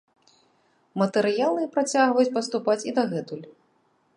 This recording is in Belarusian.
Матэрыялы працягваюць паступаць і дагэтуль.